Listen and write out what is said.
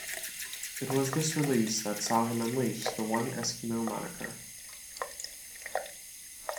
It was this release that saw him unleash the One eskimO moniker.